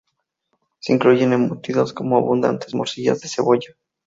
Se incluyen embutidos como abundantes morcillas de cebolla.